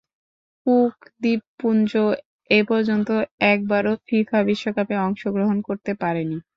Cook দ্বীপপুঞ্জ এপর্যন্ত একবারও ফিফা বিশ্বকাপে অংশগ্রহণ করতে পারেনি।